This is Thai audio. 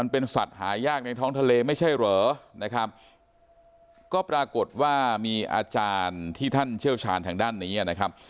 ที่ท่านเชี่ยวชาญทางด้านนี้นะครับ